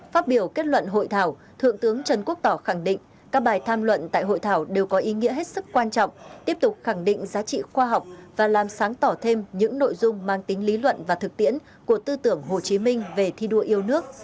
phát biểu kết luận hội thảo thượng tướng trần quốc tỏ khẳng định các bài tham luận tại hội thảo đều có ý nghĩa hết sức quan trọng tiếp tục khẳng định giá trị khoa học và làm sáng tỏ thêm những nội dung mang tính lý luận và thực tiễn của tư tưởng hồ chí minh về thi đua yêu nước